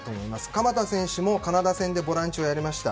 鎌田選手もカナダ戦でボランチをやりました。